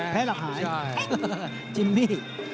จิมมี่